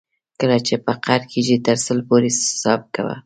کله چې په قهر کېږې تر سل پورې حساب کوه.